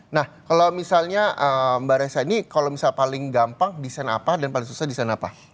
nah kalau misalnya mbak reza ini kalau misalnya paling gampang desain apa dan paling susah di sana apa